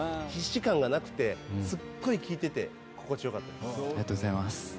必死感がなくてすっごい聴いてて心地よかったです。